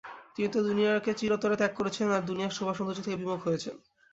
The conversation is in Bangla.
তিনি তো দুনিয়াকে চিরতরে ত্যাগ করেছেন আর দুনিয়ার শোভা-সৌন্দর্য থেকে বিমুখ হয়েছেন।